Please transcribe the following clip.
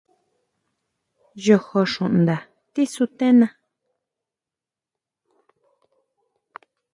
Yojó xunda tisutena.